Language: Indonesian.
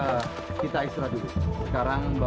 aku tidak mau lagi